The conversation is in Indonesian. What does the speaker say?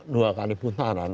dua kali putaran